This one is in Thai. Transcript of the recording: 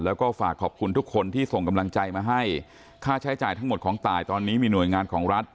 แล้วก็ฝากขอบคุณทุกคนที่ส่งกำลังใจมาให้ค่าใช้จ่ายทั้งหมดของตายตอนนี้มีหน่วยงานของรัฐ